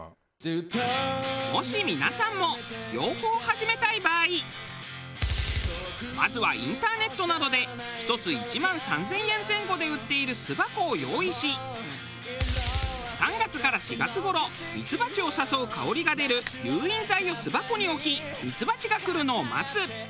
もし皆さんも養蜂を始めたい場合まずはインターネットなどで１つ１万３０００円前後で売っている巣箱を用意し３月から４月頃ミツバチを誘う香りが出る誘引剤を巣箱に置きミツバチが来るのを待つ。